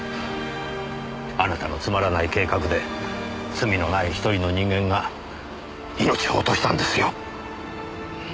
あなたのつまらない計画で罪のない１人の人間が命を落としたんですよ。